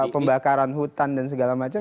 pembakaran hutan dan segala macam